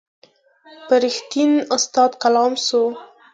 پر رښتین استاد کلام سو